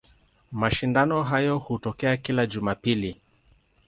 Mashindano hayo hutokea kila Jumapili.